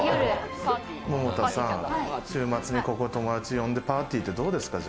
週末にここ友達呼んでパーティーってどうですか？